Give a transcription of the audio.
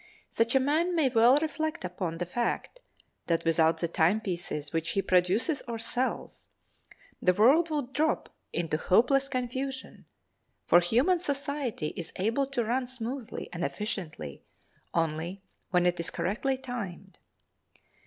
Such a man may well reflect upon the fact that without the timepieces which he produces or sells, the world would drop into hopeless confusion, for human society is able to run smoothly and efficiently only when it is correctly timed.